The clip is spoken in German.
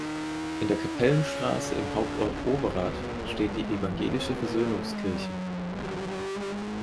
In der Kapellenstraße im Hauptort Overath steht die evangelische Versöhnungskirche.